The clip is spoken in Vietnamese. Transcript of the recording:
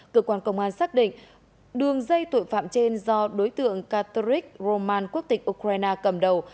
cơ quan công an xác định đường dây tội phạm trên do đối tượng catherric roman quốc tịch ukraine cầm đầu